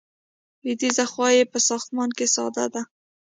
لویدیځه خوا یې په ساختمان کې ساده ده.